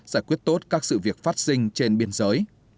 giải quyết tốt các sự việc phát sinh trên biên giới